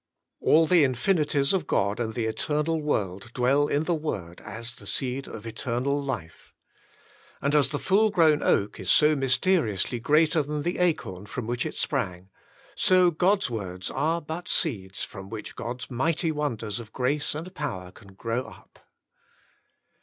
All the infinities of God and the eternal world dwell in the Word as the seed of eternal life. And as the full grown oak is so mysteriously greater than the acorn from which it sprang, so God's words are but seeds from which God's mighty wonders of grace and power can grow up.